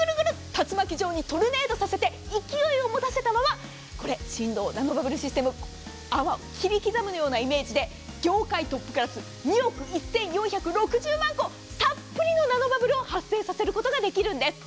竜巻状にトルネードさせて勢いを持たせたままこれ、振動ナノバブルシステム泡を切り刻むようなイメージで業界トップクラス２億１４６０万個たっぷりのナノバブルを発生させることができるんです！